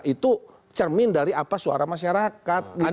itu cermin dari apa suara masyarakat